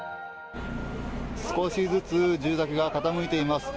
少しずつ住宅が傾いています。